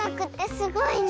すごいね！